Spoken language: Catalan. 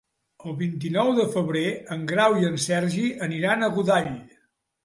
El vint-i-nou de febrer en Grau i en Sergi aniran a Godall.